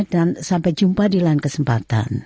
dan sampai jumpa di lain kesempatan